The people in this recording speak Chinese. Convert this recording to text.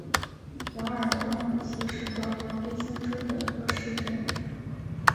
瓦尔德姆斯是德国黑森州的一个市镇。